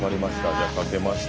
じゃ書けました。